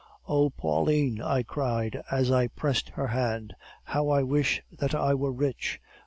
"'Oh, Pauline!' I cried, as I pressed her hand, 'how I wish that I were rich!